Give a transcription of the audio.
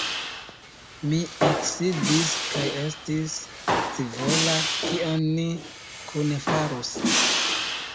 Mi eksidis kaj estis scivola, kion ni kune farus.